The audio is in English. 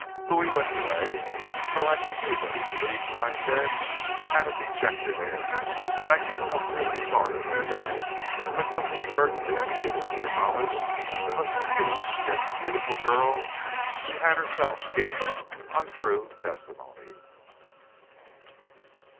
Louis went away, and though I could see that he believed what I said, he had a dejected air, and I couldn't help feeling sorry for the man who had so inadvertently given me the knowledge that must be used against the beautiful girl who had herself given untrue testimony.